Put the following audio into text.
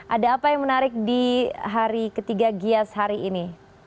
ada apa yang menarik di hari ketiga gias hari ini